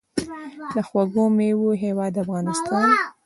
د خوږو میوو هیواد افغانستان.